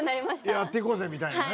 やっていこうぜみたいなね。